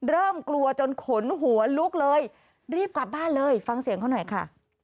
เริ่มกลัวจนขนหัวลุกเลยรีบกลับบ้านเลยฟังเสียงเขาหน่อยค่ะ